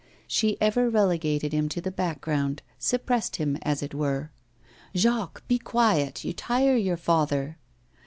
She ever relegated him to the background, suppressed him, as it were: 'Jacques, be quiet; you tire your father.